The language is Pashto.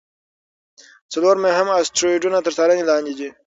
څلور مهم اسټروېډونه تر څارنې لاندې دي.